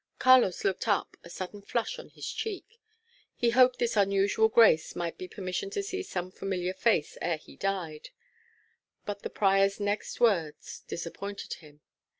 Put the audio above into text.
Carlos looked up, a sudden flush on his cheek. He hoped this unusual grace might be permission to see some familiar face ere he died; but the prior's next words disappointed him.